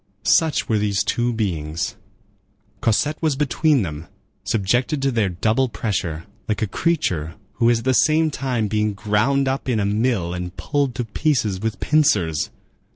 Such were these two beings. Cosette was between them, subjected to their double pressure, like a creature who is at the same time being ground up in a mill and pulled to pieces with pincers.